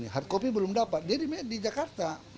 hard copy belum dapat dia di jakarta